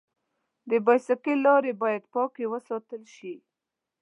د بایسکل لارې باید پاکې وساتل شي.